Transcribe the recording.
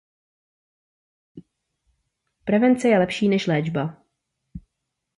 Prevence je lepší než léčba.